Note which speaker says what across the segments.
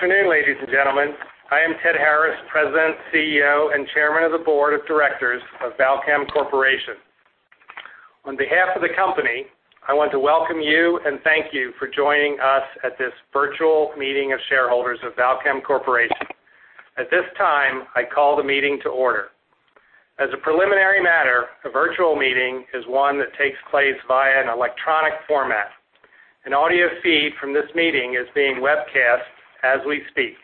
Speaker 1: Good afternoon, ladies and gentlemen. I am Ted Harris, President, CEO, and Chairman of the Board of Directors of Balchem Corporation. On behalf of the company, I want to welcome you and thank you for joining us at this virtual meeting of shareholders of Balchem Corporation. At this time, I call the meeting to order. As a preliminary matter, a virtual meeting is one that takes place via an electronic format. An audio feed from this meeting is being webcast as we speak.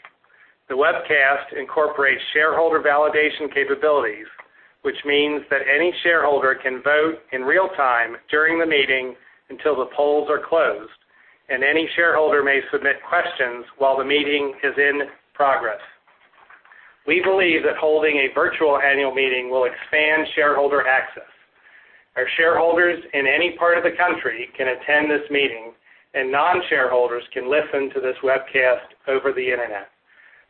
Speaker 1: The webcast incorporates shareholder validation capabilities, which means that any shareholder can vote in real time during the meeting until the polls are closed, and any shareholder may submit questions while the meeting is in progress. We believe that holding a virtual annual meeting will expand shareholder access. Our shareholders in any part of the country can attend this meeting, non-shareholders can listen to this webcast over the internet.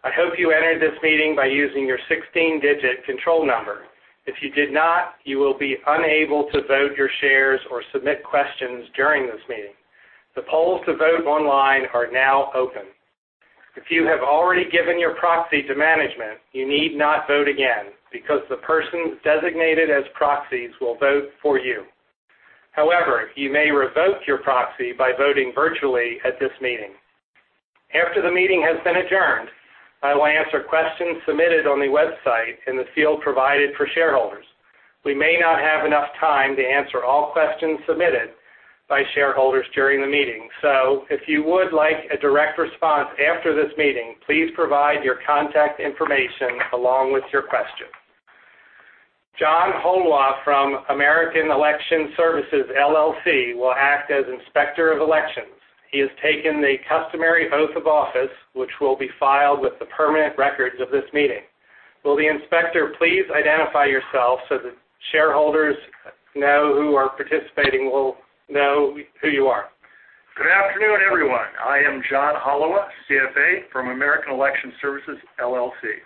Speaker 1: I hope you entered this meeting by using your 16-digit control number. If you did not, you will be unable to vote your shares or submit questions during this meeting. The polls to vote online are now open. If you have already given your proxy to management, you need not vote again because the persons designated as proxies will vote for you. You may revoke your proxy by voting virtually at this meeting. After the meeting has been adjourned, I will answer questions submitted on the website in the field provided for shareholders. We may not have enough time to answer all questions submitted by shareholders during the meeting. If you would like a direct response after this meeting, please provide your contact information along with your question. John Holub from American Election Services, LLC will act as Inspector of Elections. He has taken the customary oath of office, which will be filed with the permanent records of this meeting. Will the Inspector please identify yourself so that shareholders who are participating will know who you are.
Speaker 2: Good afternoon, everyone. I am John Holub, CFA from American Election Services, LLC.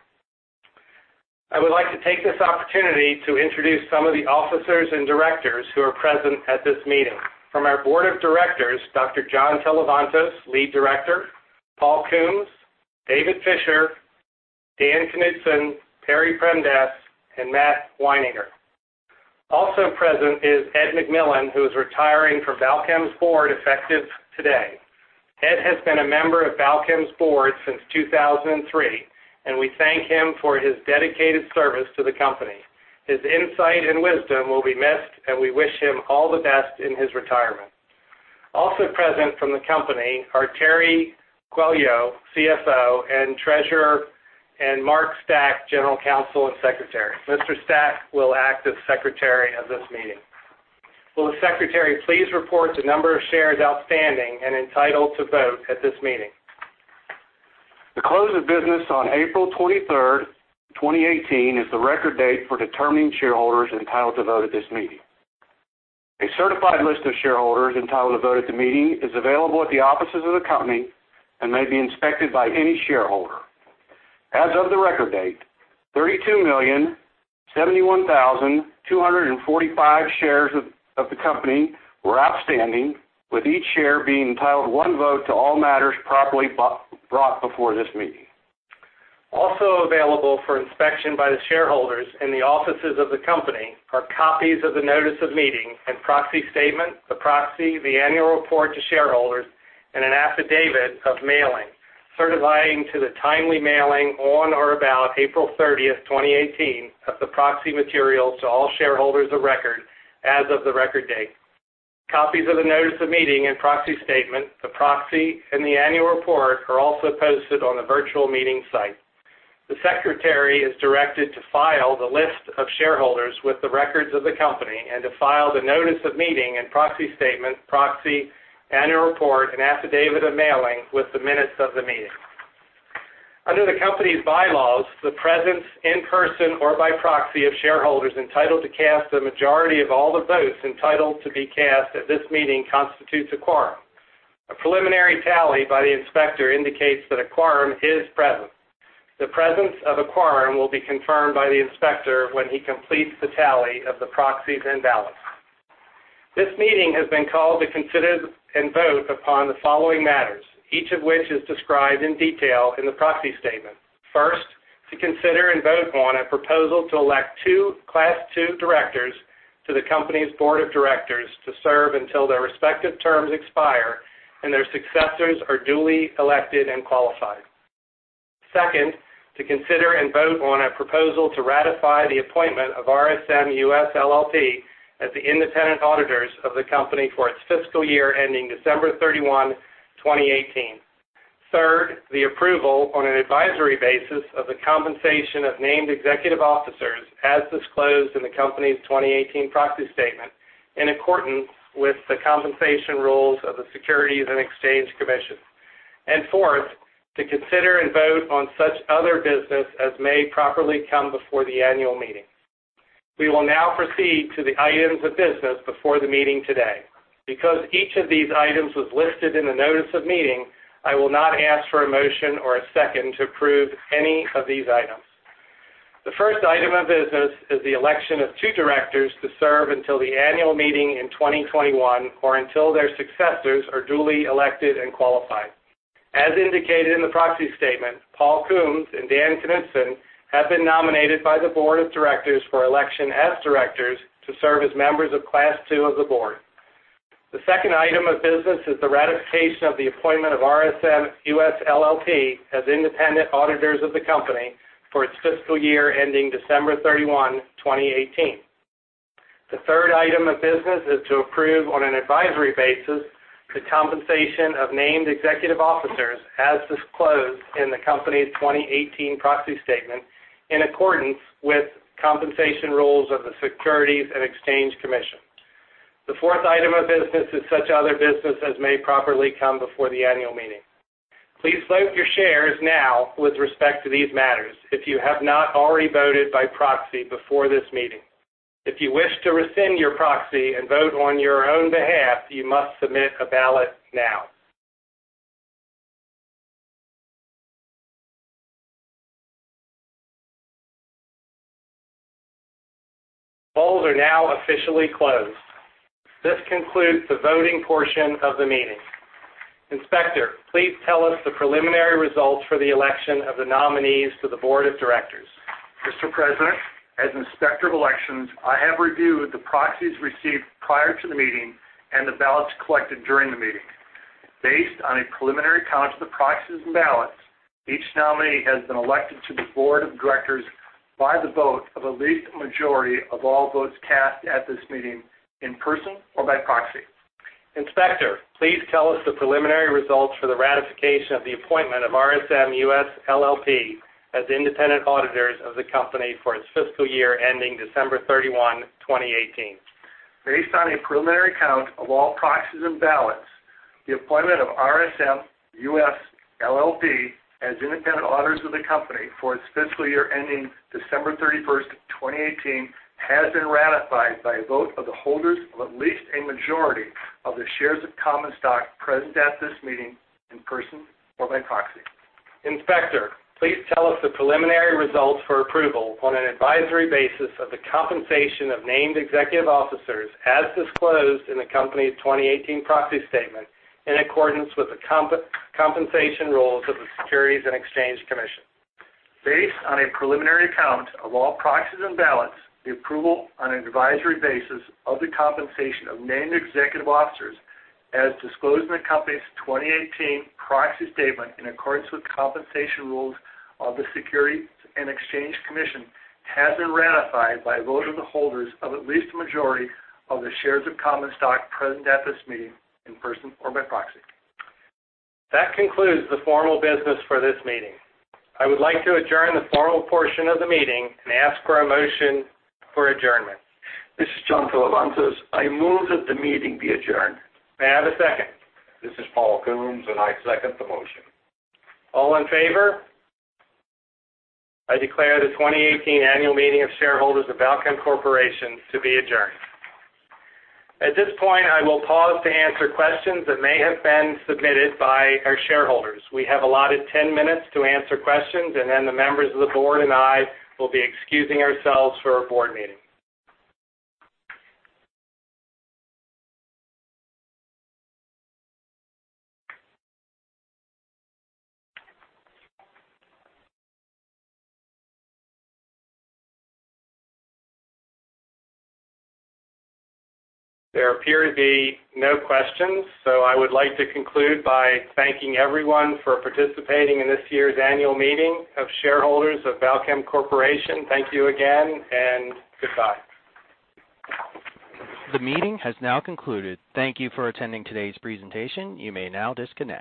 Speaker 1: I would like to take this opportunity to introduce some of the officers and directors who are present at this meeting. From our board of directors, Dr. John Sclavounos, Lead Director, Paul Coombs, David Fischer, Daniel E. Knutson, Perry Premdas, and Matthew Wineinger. Also present is Edward McMillan, who is retiring from Balchem's board effective today. Ed has been a member of Balchem's board since 2003, and we thank him for his dedicated service to the company. His insight and wisdom will be missed, and we wish him all the best in his retirement. Also present from the company are Terry Quaglio, CFO and Treasurer, and Mark Stack, General Counsel and Secretary. Mr. Stack will act as Secretary of this meeting. Will the Secretary please report the number of shares outstanding and entitled to vote at this meeting?
Speaker 3: The close of business on April 23rd, 2018, is the record date for determining shareholders entitled to vote at this meeting. A certified list of shareholders entitled to vote at the meeting is available at the offices of the company and may be inspected by any shareholder. As of the record date, 32,071,245 shares of the company were outstanding, with each share being entitled one vote to all matters properly brought before this meeting.
Speaker 1: Also available for inspection by the shareholders in the offices of the company are copies of the notice of meeting and proxy statement, the proxy, the annual report to shareholders, and an affidavit of mailing, certifying to the timely mailing on or about April 30th, 2018, of the proxy materials to all shareholders of record as of the record date. Copies of the notice of meeting and proxy statement, the proxy, and the annual report are also posted on the virtual meeting site. The Secretary is directed to file the list of shareholders with the records of the company and to file the notice of meeting and proxy statement, proxy, annual report, and affidavit of mailing with the minutes of the meeting. Under the company's bylaws, the presence in person or by proxy of shareholders entitled to cast the majority of all the votes entitled to be cast at this meeting constitutes a quorum. A preliminary tally by the inspector indicates that a quorum is present. The presence of a quorum will be confirmed by the inspector when he completes the tally of the proxies and ballots. This meeting has been called to consider and vote upon the following matters, each of which is described in detail in the proxy statement. First, to consider and vote on a proposal to elect two Class II directors to the company's board of directors to serve until their respective terms expire and their successors are duly elected and qualified. Second, to consider and vote on a proposal to ratify the appointment of RSM US LLP as the independent auditors of the company for its fiscal year ending December 31, 2018. Third, the approval on an advisory basis of the compensation of named executive officers as disclosed in the company's 2018 proxy statement in accordance with the compensation rules of the Securities and Exchange Commission. Fourth, to consider and vote on such other business as may properly come before the annual meeting. We will now proceed to the items of business before the meeting today. Because each of these items was listed in the notice of meeting, I will not ask for a motion or a second to approve any of these items. The first item of business is the election of two directors to serve until the annual meeting in 2021 or until their successors are duly elected and qualified. As indicated in the proxy statement, Paul Coombs and Dan Knutson have been nominated by the board of directors for election as directors to serve as members of Class II of the board. The second item of business is the ratification of the appointment of RSM US LLP as independent auditors of the company for its fiscal year ending December 31, 2018. The third item of business is to approve, on an advisory basis, the compensation of named executive officers as disclosed in the company's 2018 proxy statement, in accordance with compensation rules of the Securities and Exchange Commission. The fourth item of business is such other business as may properly come before the annual meeting. Please vote your shares now with respect to these matters if you have not already voted by proxy before this meeting. If you wish to rescind your proxy and vote on your own behalf, you must submit a ballot now. Polls are now officially closed. This concludes the voting portion of the meeting. Inspector, please tell us the preliminary results for the election of the nominees to the board of directors.
Speaker 2: Mr. President, as Inspector of Elections, I have reviewed the proxies received prior to the meeting and the ballots collected during the meeting. Based on a preliminary count of the proxies and ballots, each nominee has been elected to the board of directors by the vote of at least a majority of all votes cast at this meeting, in person or by proxy.
Speaker 1: Inspector, please tell us the preliminary results for the ratification of the appointment of RSM US LLP as independent auditors of the company for its fiscal year ending December 31, 2018.
Speaker 2: Based on a preliminary count of all proxies and ballots, the appointment of RSM US LLP as independent auditors of the company for its fiscal year ending December 31st, 2018, has been ratified by a vote of the holders of at least a majority of the shares of common stock present at this meeting, in person or by proxy.
Speaker 1: Inspector, please tell us the preliminary results for approval on an advisory basis of the compensation of named executive officers as disclosed in the company's 2018 proxy statement, in accordance with the compensation rules of the Securities and Exchange Commission.
Speaker 2: Based on a preliminary count of all proxies and ballots, the approval on an advisory basis of the compensation of named executive officers as disclosed in the company's 2018 proxy statement, in accordance with compensation rules of the Securities and Exchange Commission, has been ratified by a vote of the holders of at least a majority of the shares of common stock present at this meeting, in person or by proxy.
Speaker 1: That concludes the formal business for this meeting. I would like to adjourn the formal portion of the meeting and ask for a motion for adjournment.
Speaker 4: This is John Televantos. I move that the meeting be adjourned.
Speaker 1: May I have a second?
Speaker 5: This is Paul Coombs, and I second the motion.
Speaker 1: All in favor? I declare the 2018 Annual Meeting of Shareholders of Balchem Corporation to be adjourned. At this point, I will pause to answer questions that may have been submitted by our shareholders. We have allotted 10 minutes to answer questions, and then the members of the board and I will be excusing ourselves for a board meeting. There appear to be no questions, so I would like to conclude by thanking everyone for participating in this year's Annual Meeting of Shareholders of Balchem Corporation. Thank you again, and goodbye. The meeting has now concluded. Thank you for attending today's presentation. You may now disconnect.